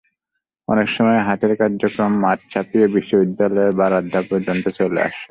অনেক সময় হাটের কার্যক্রম মাঠ ছাপিয়ে বিদ্যালয়ের বারান্দা পর্যন্ত চলে আসে।